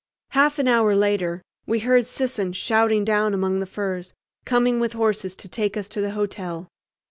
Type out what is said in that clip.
Half an hour later we heard Sisson shouting down among the firs, coming with horses to take us to the hotel.